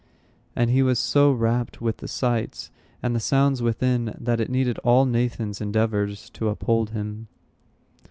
And he was so rapt with the sights and the sounds within, that it needed all Nathan's endeavors to uphold him.